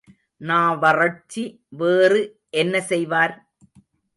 நாவறட்சி வேறு என்ன செய்வார்?